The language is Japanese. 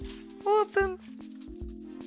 オープン！